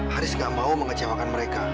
haris gak mau mengecewakan mereka